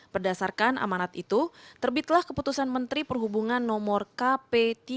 berdasarkan amanat itu terbitlah keputusan menteri perhubungan no kp tiga ratus empat puluh delapan